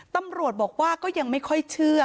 ตำรวจบอกว่าก็ยังไม่ค่อยเชื่อ